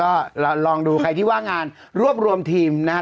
เพราะฉะนั้นก็ลองดูใครที่ว่างานรวบรวมทีมนะฮะ